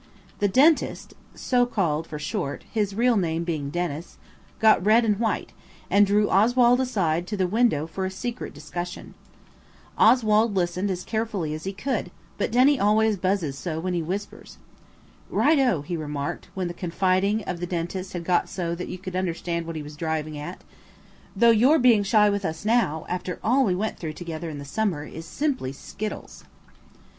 The Dentist (so called for short, his real name being Denis) got red and white, and drew Oswald aside to the, window for a secret discussion. Oswald listened as carefully as he could, but Denny always buzzes so when he whispers. "Right oh," he remarked, when the confidings of the Dentist had got so that you could understand what he was driving at. "Though you're being shy with us now, after all we went through together in the summer, is simply skittles."